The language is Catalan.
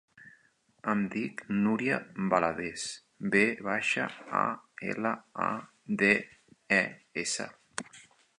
Em dic Núria Valades: ve baixa, a, ela, a, de, e, essa.